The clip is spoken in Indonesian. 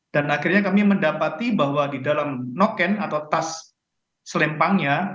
dan akhirnya kami mendapati bahwa di dalam noken atau tas selempangnya